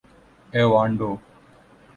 ایوانڈو